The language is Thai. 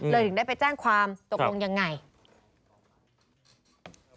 เลยถึงได้ไปแจ้งความตกลงอย่างไร